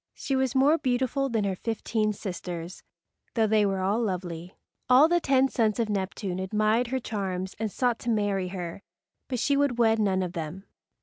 She was more beautiful than her fifteen sisters, though they were all lovely. All the ten sons of Neptune admired her charms and sought to marry her, but she would wed none of them.